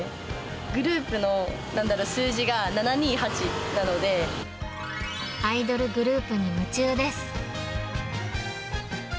グループのなんだろう、アイドルグループに夢中です。